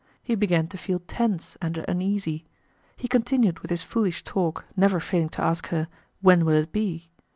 He began to feel tense and uneasy. He continued with his foolish talk, never failing to ask her, "When will it be?"